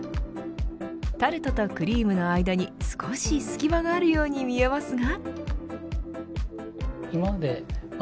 タルトとクリームの間に少し隙間があるように見えますが。